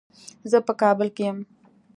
زه په کابل کې یم.